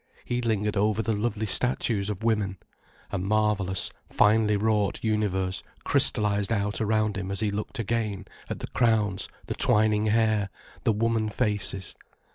He lingered over the lovely statues of women. A marvellous, finely wrought universe crystallized out around him as he looked again, at the crowns, the twining hair, the woman faces.